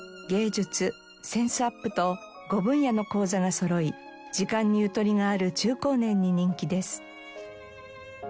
芸術センスアップと５分野の講座がそろい時間にゆとりがある中高年に人気です。